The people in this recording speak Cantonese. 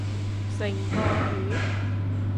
成個月？